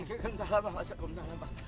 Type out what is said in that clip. waalaikumsalam pak waalaikumsalam pak